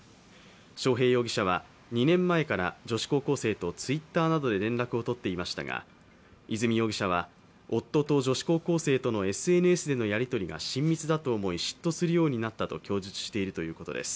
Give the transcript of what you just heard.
章平容疑者は、２年前から女子高校生とＴｗｉｔｔｅｒなどで連絡を取っていましたが和美容疑者は、夫と女子高校生とのＳＮＳでのやりとりが親密だと思い、嫉妬するようになったと供述しているということです。